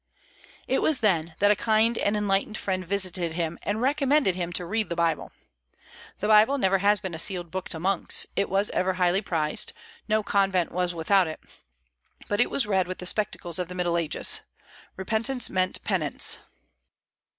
It was then that a kind and enlightened friend visited him, and recommended him to read the Bible. The Bible never has been a sealed book to monks; it was ever highly prized; no convent was without it: but it was read with the spectacles of the Middle Ages. Repentance meant penance.